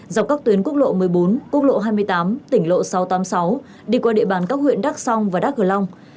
dọc các tuyến quốc lộ một mươi bốn quốc lộ hai mươi tám tỉnh lộ sáu trăm tám mươi sáu đi qua địa bàn các huyện đắc song và đắk cờ long